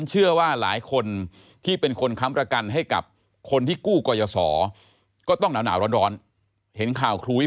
ยาท่าน้ำขาวไทยนครเพราะทุกการเดินทางของคุณจะมีแต่รอยยิ้ม